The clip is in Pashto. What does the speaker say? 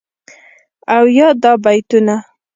او یادا بیتونه..